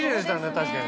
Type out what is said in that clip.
確かに。